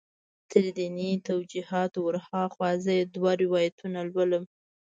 تر دیني توجیهاتو ور هاخوا زه یې دوه روایتونه لولم.